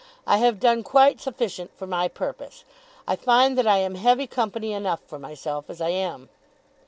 I have done quite sufficient for my purpose. I find that I am heavy company enough for myself as I am.